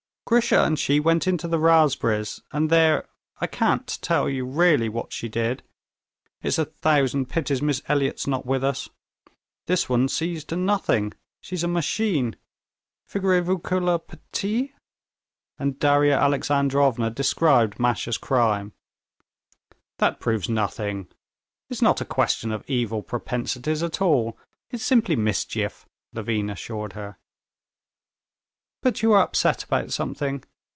"Grisha and she went into the raspberries, and there ... I can't tell you really what she did. It's a thousand pities Miss Elliot's not with us. This one sees to nothing—she's a machine.... Figurez vous que la petite?..." And Darya Alexandrovna described Masha's crime. "That proves nothing; it's not a question of evil propensities at all, it's simply mischief," Levin assured her. "But you are upset about something?